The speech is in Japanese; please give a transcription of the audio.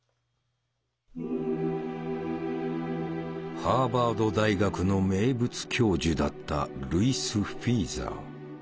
ハーバード大学の名物教授だったルイス・フィーザー。